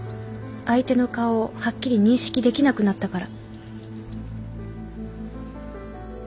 相手の顔をはっきり認識できなくなったから。